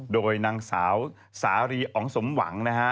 โดยนางสาวสารีอ๋องสมหวังนะฮะ